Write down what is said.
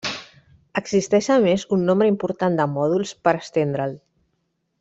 Existeix a més un nombre important de mòduls per estendre'l.